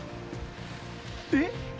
「えっ！？